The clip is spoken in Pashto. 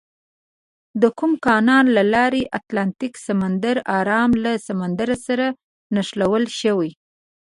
د کوم کانال له لارې اتلانتیک سمندر ارام له سمندر سره نښلول شوي؟